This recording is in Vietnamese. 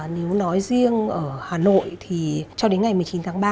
nếu nói riêng ở hà nội thì cho đến ngày một mươi chín tháng ba